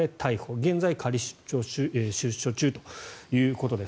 現在、仮出所中ということです。